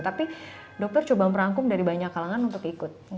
tapi dokter coba merangkum dari banyak kalangan untuk ikut